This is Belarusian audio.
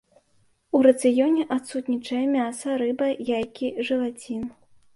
У рацыёне адсутнічае мяса, рыба, яйкі, жэлацін.